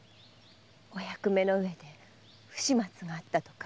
お役目のうえで不始末があったとか。